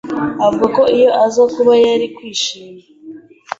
Avuga ko iyo aza kuba yari kwishima.